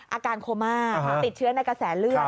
อาการโคม่าติดเชื้อในกระแสเลือด